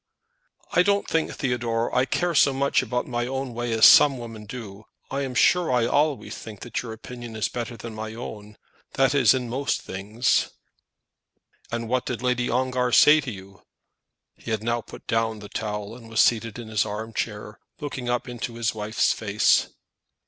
"I don't think, Theodore, I care so much about my own way as some women do. I am sure I always think your opinion is better than my own; that is, in most things." "And what did Lady Ongar say to you?" He had now put down the towel, and was seated in his arm chair, looking up into his wife's face.